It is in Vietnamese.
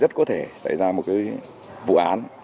nạn nhân có thể xảy ra một cái vụ án